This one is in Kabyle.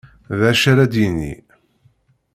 D acu ara d-yini!